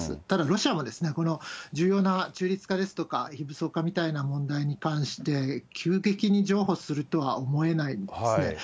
ただ、ロシアもこの重要な中立化ですとか、非武装化みたいな問題に関して、急激に譲歩するとは思えないですね。